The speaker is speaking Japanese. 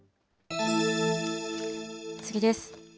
次です。